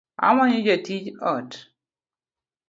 Amanyo jatiij ot